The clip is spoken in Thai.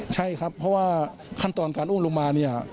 ใช่ครับเพราะว่าขั้นตอนการอุ้มลงมาเนี่ย